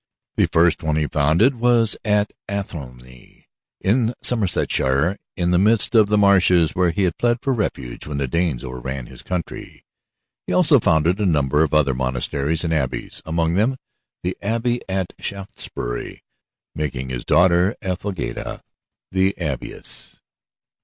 The first one that he founded was at Athelney in Somersetshire, in the midst of the marshes where he had fled for refuge when the Danes overran his country. He also founded a number of other monasteries and abbeys, among them the abbey of Shaftesbury, making his daughter, Ethelgeda, the abbess.